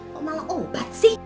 kamu malah obat sih